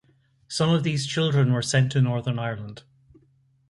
Some of these children were sent to Northern Ireland.